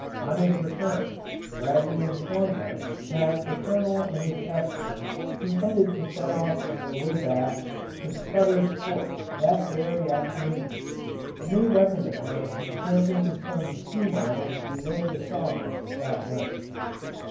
On his return, Bradley informed us that the Colonel and his escort intended to set off on their way back lo Sutter's Fort that very afternoon, and they reckoned upon encamping some few miles below the saw mills that night.